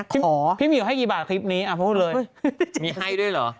พี่หมอพี่เหมียวให้กี่บาทคลิปนี้พูดเลยมีให้ด้วยเหรอ